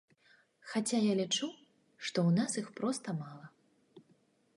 Хаця я лічу, што ў нас іх проста мала.